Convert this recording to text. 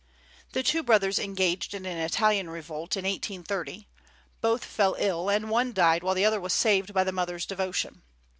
The two brothers engaged in an Italian revolt in 1830; both fell ill, and while one died the other was saved by the mother's devotion.